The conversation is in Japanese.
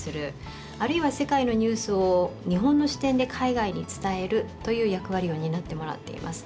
あるいは世界のニュースを日本の視点で海外に伝えるという役割を担ってもらっています。